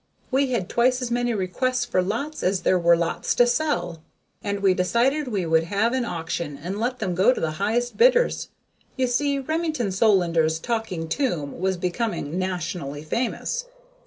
We had twice as many requests for lots as there were lots to sell, and we decided we would have an auction and let them go to the highest bidders. You see Remington Solander's Talking Tomb was becoming nationally famous.